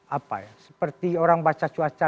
apa ya seperti orang baca cuaca